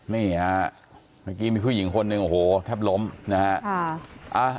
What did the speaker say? นี่ฮะเมื่อกี้มีผู้หญิงคนหนึ่งโอ้โหแทบล้มนะฮะ